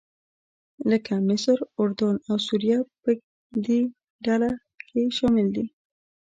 لکه مصر، اردن او سوریه په دې ډله کې شامل دي.